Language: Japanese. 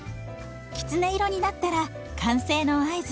きつね色になったら完成の合図。